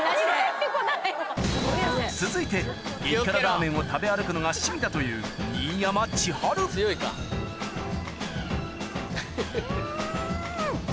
続いて激辛ラーメンを食べ歩くのが趣味だというんん！